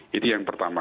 jadi yang pertama